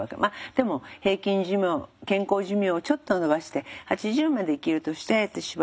でも平均寿命健康寿命をちょっと延ばして８０まで生きるとして私はあと１５年。